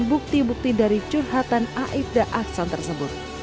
bukti bukti dari curhatan aibda aksan tersebut